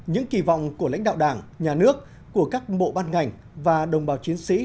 những kỳ vọng của lãnh đạo đảng nhà nước của các bộ ban ngành và đồng bào chiến sĩ